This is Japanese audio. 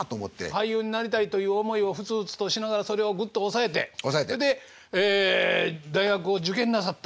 俳優になりたいという思いをふつふつとしながらそれをグッと抑えてそれで大学を受験なさった？